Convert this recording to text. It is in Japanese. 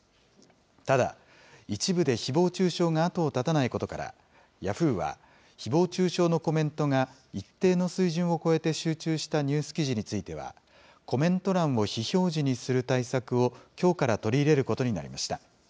ただ、一部でひぼう中傷が後を絶たないことから、ヤフーはひぼう中傷のコメントが一定の水準を超えて集中したニュース記事については、コメント欄を非表示にする対策をきょうから取り入れることになりました。